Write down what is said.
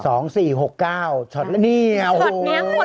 ชอตนี่โอ้โฮชอตนี้เหมือนลูกแบบ